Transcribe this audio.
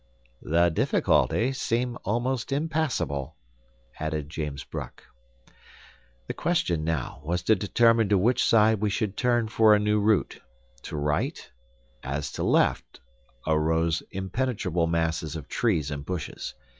"The difficulties seem almost impassable," added James Bruck. The question now was to determine to which side we should turn for a new route; to right, as to left, arose impenetrable masses of trees and bushes.